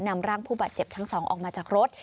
นำร่างผู้บาดเจ็บทั้งสองออกมาจากรถ